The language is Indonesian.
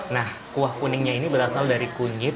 nah kuah kuningnya ini berasal dari kunyit